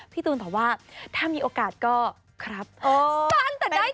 พี่ตูนตอบว่าถ้ามีโอกาสก็ครับสั้นแต่ได้ใจความ